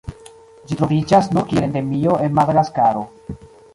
Ĝi troviĝas nur kiel endemio en Madagaskaro.